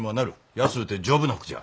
安うて丈夫な服じゃ。